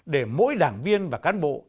để mỗi đảng viên và cán bộ